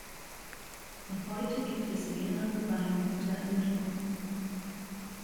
Noch heute gibt es mehrere Weingüter im Dorf.